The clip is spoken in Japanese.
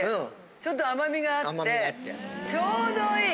ちょっと甘みがあってちょうどいい！